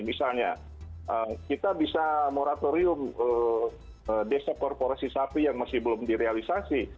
misalnya kita bisa moratorium desa korporasi sapi yang masih belum direalisasi